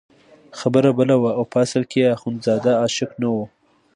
خبره بله وه او په اصل کې اخندزاده عاشق نه وو.